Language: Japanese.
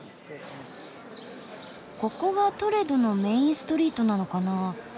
ここがトレドのメインストリートなのかな。